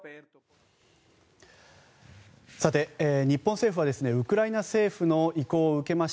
日本政府はウクライナ政府の意向を受け